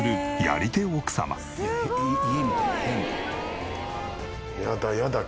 やだやだ